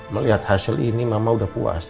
melihat hasil ini mama udah puas